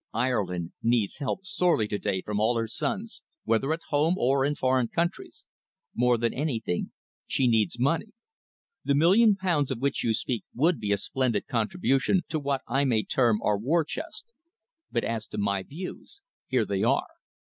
Ireland needs help sorely to day from all her sons, whether at home or in foreign countries. More than anything she needs money. The million pounds of which you speak would be a splendid contribution to what I may term our war chest. But as to my views, here they are.